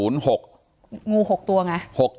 งู๖ตัวไง